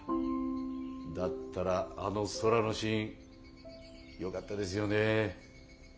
だったらあの空のシーンよかったですよね。